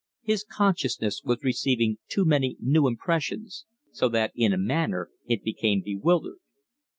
His consciousness was receiving too many new impressions, so that in a manner it became bewildered.